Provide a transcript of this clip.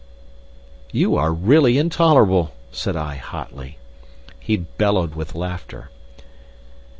"You are really intolerable!" said I, hotly. He bellowed with laughter.